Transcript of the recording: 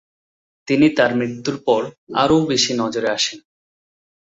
তিনি তার মৃত্যুর পর আরও বেশি নজর আসেন।